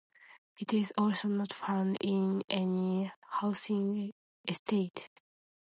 It is also not found in any housing estate.